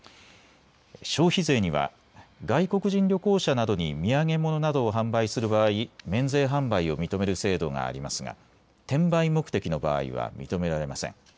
消費税には外国人旅行者などに土産物などを販売する場合、免税販売を認める制度がありますが転売目的の場合は認められません。